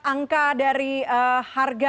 angka dari harga